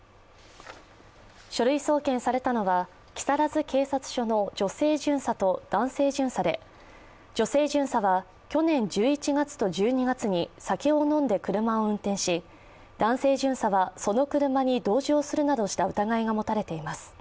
書類送検されたのは木更津警察署の女性巡査と男性巡査で女性巡査は去年１１月と１２月に酒を飲んで車を運転し、男性巡査はその車に同乗するなどした疑いが持たれています。